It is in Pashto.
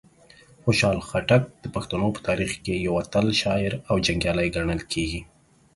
خوشحال خټک د پښتنو په تاریخ کې یو اتل شاعر او جنګیالی ګڼل کیږي.